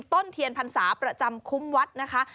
ต้นเทียนพรรษาประจำคุ้มวัดนะคะ